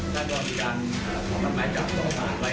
และก่อนมีการขอบพันธุ์ไม้จากโรงพยาบาลไว้